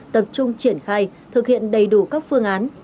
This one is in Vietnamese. tập trung triển khai thực hiện đầy đủ các phương án